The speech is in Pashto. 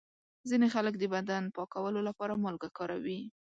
ځینې خلک د بدن پاکولو لپاره مالګه کاروي.